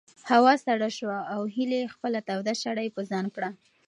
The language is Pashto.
هوا سړه شوه او هیلې خپله توده شړۍ په ځان کړه.